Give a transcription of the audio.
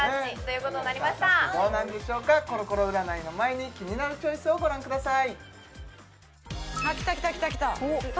コロコロ占いの前に「キニナルチョイス」をご覧ください